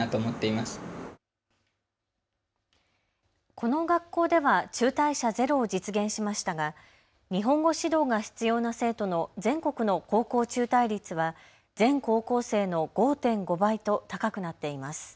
この学校では中退者ゼロを実現しましたが日本語指導が必要な生徒の全国の高校中退率は全高校生の５．５倍と高くなっています。